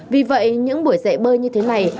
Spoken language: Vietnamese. vì vậy những buổi dạy bơi như thế này